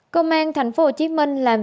công an tp hcm